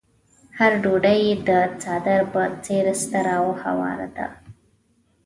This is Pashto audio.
هره ډوډۍ يې د څادر په څېر ستره او هواره ده.